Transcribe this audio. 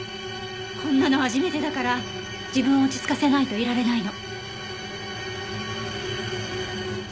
こんなの初めてだから自分を落ち着かせないといられないの。